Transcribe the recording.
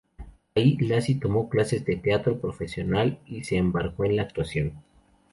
Ahí Lacy tomó clases de teatro profesional y se embarcó en la actuación.